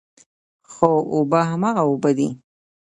خو اوبه هماغه اوبه دي.